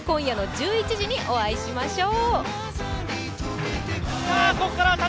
今夜の１１時にお会いしましょう。